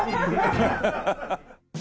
アハハハ。